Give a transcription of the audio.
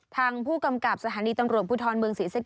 ทางผู้กำกับสถานีตำรวจภูทรเมืองศรีเซ็ต